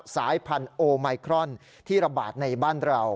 สายพันธุ์โอไมครอนที่ระบาดในบ้านเรา